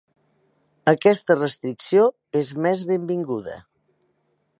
Aquesta restricció és més benvinguda.